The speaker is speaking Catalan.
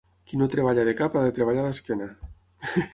Qui no treballa de cap ha de treballar d'esquena.